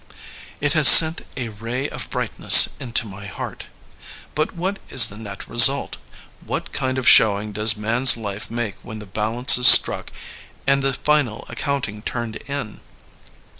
''It has sent a ray of brightness into my heart.*' But what is the net result? What kind of showing does Man's life make when the balance is struck and the final ac counting turned in?